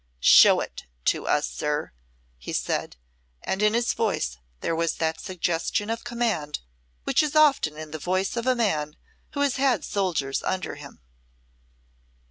"Show it to us, sir," he said, and in his voice there was that suggestion of command which is often in the voice of a man who has had soldiers under him.